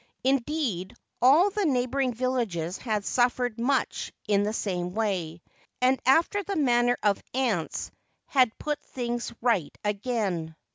Indeed, all the neighbouring villages had suffered much in the same way, and after the manner of ants had put things right again.